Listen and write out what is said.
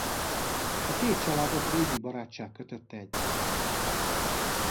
A két családot régi barátság kötötte egymáshoz.